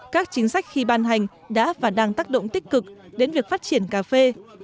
các chính sách khi ban hành đã và đang tác động tích cực đến việc phát triển cà phê